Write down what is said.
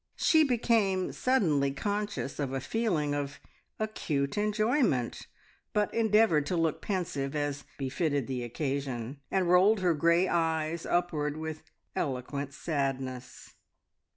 She became suddenly conscious of a feeling of acute enjoyment, but endeavoured to look pensive, as befitted the occasion, and rolled her grey eyes upward with eloquent sadness.